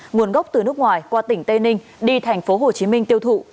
nguồn gốc từ nước ngoài qua tỉnh tây ninh đi thành phố hồ chí minh tiêu thụ